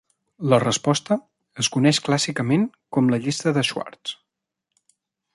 La resposta es coneix clàssicament com la llista de Schwarz.